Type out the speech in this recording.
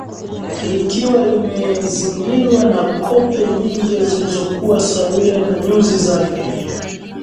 likiwa limezingirwa na kope nyingi zilizokuwa sawia na nyusi zake